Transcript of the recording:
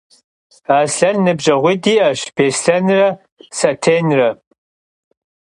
Aslhen nıbjeğuit' yi'eş - Bêslhenre Satenre.